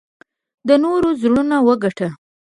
د نورو زړونه وګټه .